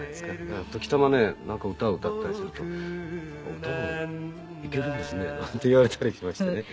だから時たまねなんか歌を歌ったりすると「歌もいけるんですね」なんて言われたりしましてね。